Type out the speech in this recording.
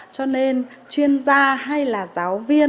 cho nên chuyên gia hay là giáo viên